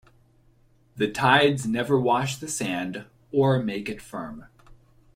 The tides never wash the sand or make it firm.